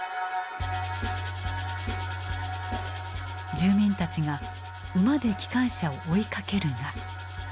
住民たちが馬で機関車を追いかけるが。